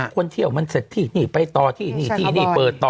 คนเที่ยวมันเสร็จที่นี่ไปต่อที่นี่ที่นี่เปิดต่อ